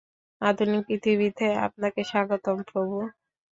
আধুনিক পৃথিবীতে আপনাকে স্বাগতম, প্রভু!